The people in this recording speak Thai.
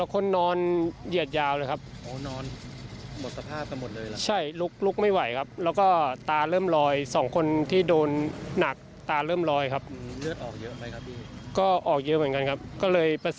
ก็อีก๑นานที่เจดีเอาไป